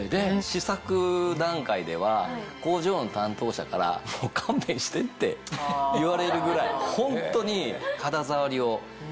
試作段階では工場の担当者から「もう勘弁して」って言われるぐらいホントに。